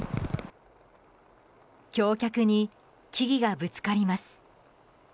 橋脚に木々がぶつかります。